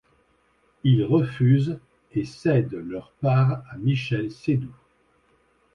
Ils refusent et cèdent leur part à Michel Seydoux.